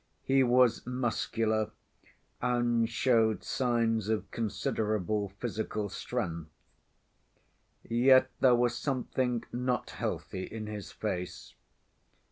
He was muscular, and showed signs of considerable physical strength. Yet there was something not healthy in his face.